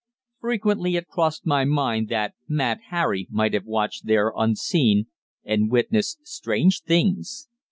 Frequently it crossed my mind that Mad Harry might have watched there unseen, and witnessed strange things.